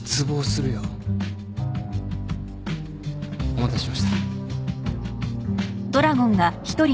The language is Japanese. お待たせしました。